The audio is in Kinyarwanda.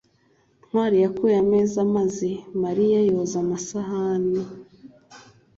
ntwali yakuye ameza maze mariya yoza amasahani